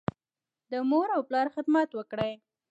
د مور او پلار خدمت وکړئ.